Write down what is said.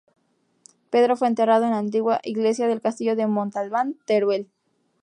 Pedro fue enterrado en la antigua iglesia del castillo de Montalbán, Teruel.